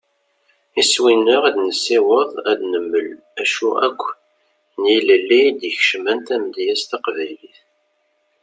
Iswi-nneɣ ad nessaweḍ ad d-nemmel acu akk n yilelli i d-ikecmen tamedyazt taqbaylit.